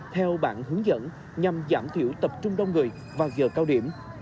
theo bản hướng dẫn nhằm giảm thiểu tập trung đông người vào giờ cao điểm